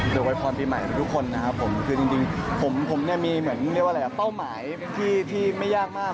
เดี๋ยวโวยพรปีใหม่ให้ทุกคนนะครับผมคือจริงผมมีเป้าหมายที่ไม่ยากมาก